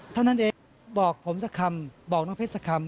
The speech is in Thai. เท่านั้นเองบอกผมสักคำบอกน้องเพชรสักคำ